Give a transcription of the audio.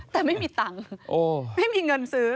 แต่ไม่มีเงินซื้อ